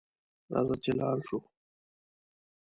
راځه چې لاړشوو